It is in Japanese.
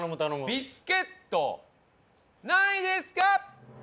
ビスケット何位ですか？